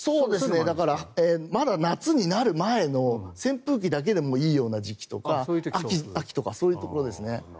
まだ夏になる前の扇風機だけでもいいような時期とか秋とかそういう時ですね。